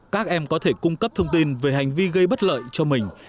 các em có thể cung cấp thông tin về hành vi gây bất lợi cho mình